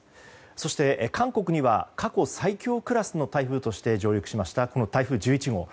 そして、韓国には過去最強クラスの台風として上陸しました、この台風１１号。